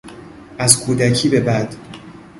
از کودکی به بعد